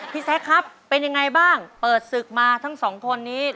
พี่แท็กครับเป็นอย่างไรบ้างเปิดศึกมาทั้งสองคนนี้